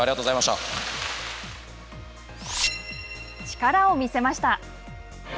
力を見せました。